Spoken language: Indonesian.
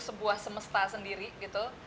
sebuah semesta sendiri gitu